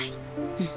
うん。